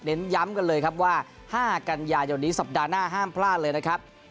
ย้ำกันเลยครับว่า๕กันยายนนี้สัปดาห์หน้าห้ามพลาดเลยนะครับ